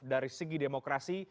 dari segi demokrasi